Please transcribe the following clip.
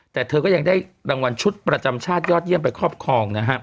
แต่เธอก็ยังได้รางวัลชุดประจำชาติยอดเยี่ยมไปครอบครองนะฮะ